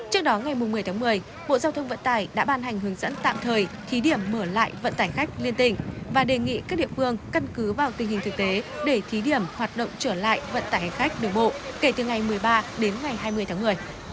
trước đó ngày một mươi tháng một mươi bộ giao thông vận tải đã ban hành hướng dẫn tạm thời thí điểm mở lại vận tải khách liên tỉnh và đề nghị các địa phương căn cứ vào tình hình thực tế để thí điểm hoạt động trở lại vận tải hành khách đường bộ kể từ ngày một mươi ba đến ngày hai mươi tháng một mươi